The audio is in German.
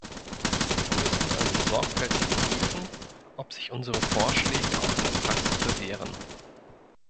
Wir müssen also sorgfältig prüfen, ob sich unsere Vorschläge auch in der Praxis bewähren.